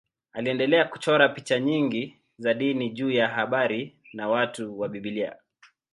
Aliendelea kuchora picha nyingi za dini juu ya habari na watu wa Biblia.